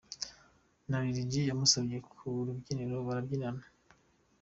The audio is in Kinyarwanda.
Na Lil G yamusabye ku rubyiniro barabyinana.